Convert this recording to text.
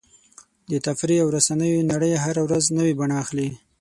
د تفریح او رسنیو نړۍ هره ورځ نوې بڼه اخلي.